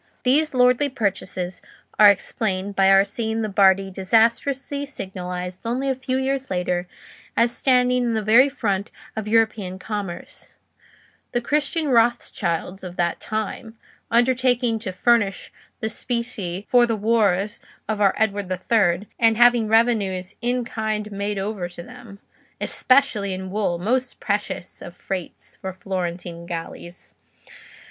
These lordly purchases are explained by our seeing the Bardi disastrously signalised only a few years later as standing in the very front of European commerce—the Christian Rothschilds of that time—undertaking to furnish specie for the wars of our Edward the Third, and having revenues "in kind" made over to them; especially in wool, most precious of freights for Florentine galleys.